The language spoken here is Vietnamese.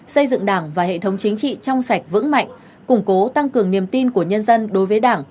xây dựng đảng và hệ thống chính trị trong sạch vững mạnh củng cố tăng cường niềm tin của nhân dân đối với đảng